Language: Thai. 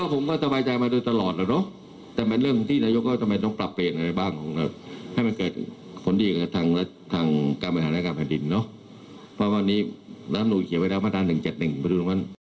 พระมหากษัตริย์ทรงไว้ซึ่งพระมหากษัตริย์ทรงไว้ซึ่งความเป็นรัฐมนตรี